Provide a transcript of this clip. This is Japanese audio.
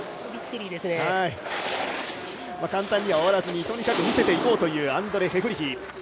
簡単には終わらずにとにかく見せていこうというアンドレ・ヘフリヒ。